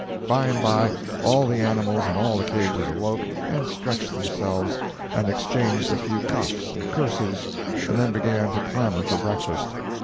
By and by all the animals in all the cages awoke, and stretched themselves, and exchanged a few cuffs and curses, and then began to clamour for breakfast.